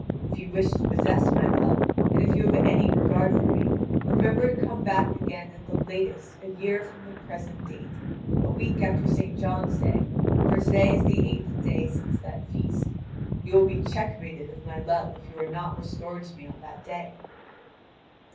If you wish to possess my love, and if you have any regard for me, remember to come back again at the latest a year from the present date a week after St. John's day; for to day is the eighth day since that feast. You will be checkmated of my love if you are not restored to me on that day."